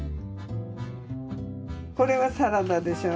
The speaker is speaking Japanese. これはサラダでしょ。